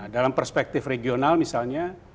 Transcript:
dalam perspektif regional misalnya